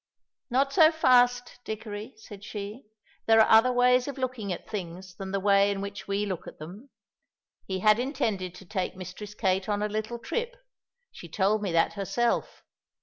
"Not so fast, Dickory," said she; "there are other ways of looking at things than the way in which we look at them. He had intended to take Mistress Kate on a little trip; she told me that herself.